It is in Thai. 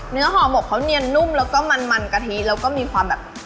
ห่อหมกเขาเนียนนุ่มแล้วก็มันกะทิแล้วก็มีความแบบ